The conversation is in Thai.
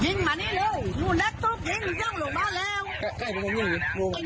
ยิงมานี่เลย